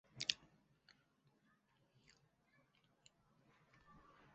最初认为这种识别主要涉及氨基酸侧链和碱基之间的特定氢键相互作用。